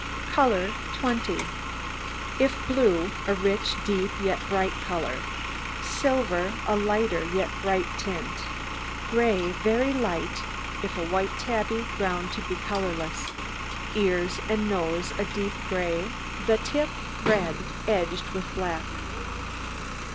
COLOUR 20 If blue, a rich, deep, yet bright colour; silver, a lighter, yet bright tint; gray, very light; if a white tabby, ground to be colourless; ears and nose a deep gray, the tip red, edged with black.